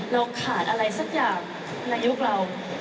เราขาดอะไรสักอย่างในยุคเรา